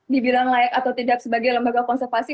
dibilang layak atau tidak sebagai lembaga konservasi